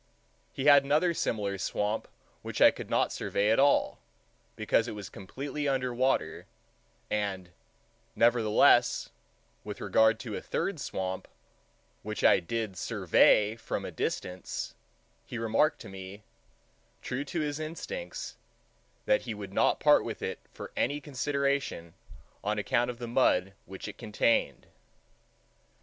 He had another similar swamp which I could not survey at all, because it was completely under water, and nevertheless, with regard to a third swamp, which I did survey from a distance, he remarked to me, true to his instincts, that he would not part with it for any consideration, on account of the mud which it contained.